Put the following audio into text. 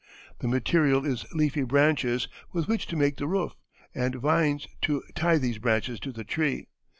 The material is leafy branches with which to make the roof, and vines to tie these branches to the tree.